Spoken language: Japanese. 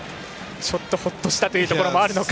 ちょっと、ほっとしたというところもあるのか。